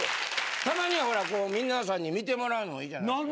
たまにはほら皆さんに見てもらうのもいいじゃないですか。